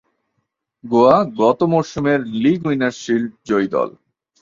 গোয়া গত মরসুমের "league winners shield" জয়ী দল।